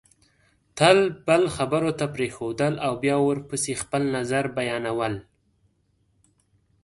تل بل خبرو ته پرېښودل او بیا ورپسې خپل نظر بیانول